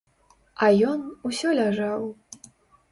А ён усё ляжаў.